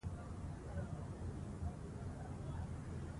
نن ایله دهقان شیندلي دي تخمونه